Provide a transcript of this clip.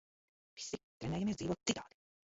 Visi trenējamies dzīvot citādi.